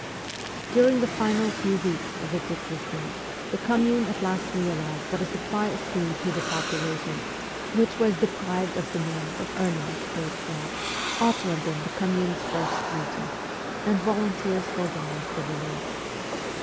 During the final few weeks of its existence, the Com mune at last realized that a supply of food to the popula tion, which was deprived of the means of earning it for itself, ought to have been the Commune's first duty, and volunteers organized the relief.